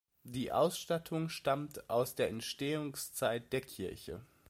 Die Ausstattung stammt aus der Entstehungszeit der Kirche.